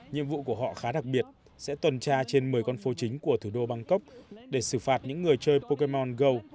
nhiệm vụ của họ khá đặc biệt sẽ tuần tra trên một mươi con phố chính của thủ đô bangkok để xử phạt những người chơi pokemon gow